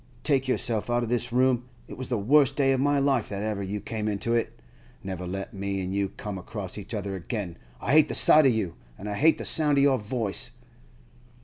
Take yourself out of this room; it was the worst day of my life that ever you came into it. Never let me an' you come across each other again. I hate the sight of you, an' I hate the sound of your voice!